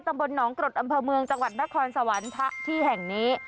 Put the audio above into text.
ตำบลหนองกรดอำเภอเมืองจังหวัดนครสวรรค์พระที่แห่งนี้